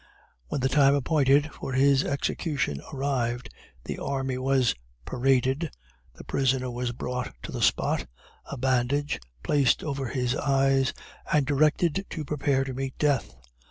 When the time appointed for his execution arrived, the army was paraded the prisoner was brought to the spot a bandage placed over his eyes and directed to prepare to meet death.